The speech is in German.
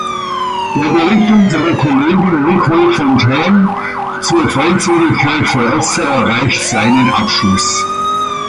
Der Bericht unserer Kollegin Nicole Fontaine zur Freizügigkeit für Ärzte erreicht seinen Abschluss.